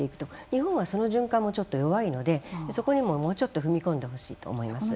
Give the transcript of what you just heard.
日本はその循環もちょっと弱いのでそこにももうちょっと踏み込んでほしいと思います。